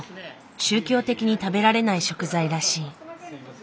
宗教的に食べられない食材らしい。